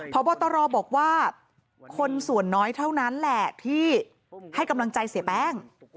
พบตรบอกว่าคนส่วนน้อยเท่านั้นแหละที่ให้กำลังใจเสียแป้ง